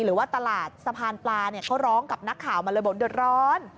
หรือว่าตลาดสะพานปลาเนี่ยเขาร้องกับนักข่าวมาเลยบอกเดือดร้อน